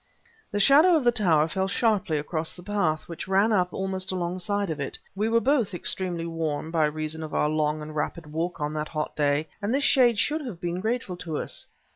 The shadow of the tower fell sharply across the path, which ran up almost alongside of it. We were both extremely warm by reason of our long and rapid walk on that hot day, and this shade should have been grateful to us.